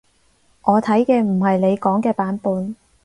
我睇嘅唔係你講嘅版本